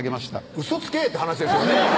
ウソつけって話ですよね